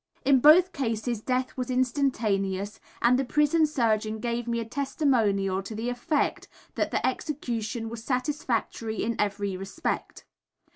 In both cases death was instantaneous, and the prison surgeon gave me a testimonial to the effect that the execution was satisfactory in every respect.